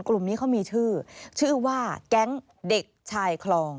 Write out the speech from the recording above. กลุ่มนี้เขามีชื่อชื่อว่าแก๊งเด็กชายคลอง